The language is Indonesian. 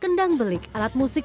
kendang belik alat musik